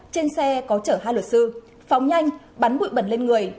trên xe có chở hai luật sư phóng nhanh bắn bụi bẩn lên người